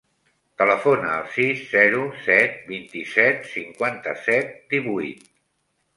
Telefona al sis, zero, set, vint-i-set, cinquanta-set, divuit.